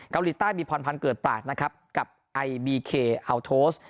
เกาหลีใต้มีพรพันธ์เกิดปราศนะครับกับไอบีเคอัลโทส